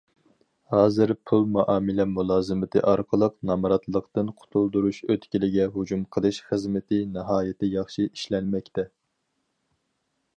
ھازىر پۇل مۇئامىلە مۇلازىمىتى ئارقىلىق نامراتلىقتىن قۇتۇلدۇرۇش ئۆتكىلىگە ھۇجۇم قىلىش خىزمىتى ناھايىتى ياخشى ئىشلەنمەكتە.